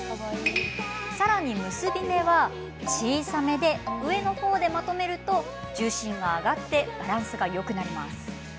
さらに、結び目は小さめで上の方でまとめると重心が上がってバランスがよくなります。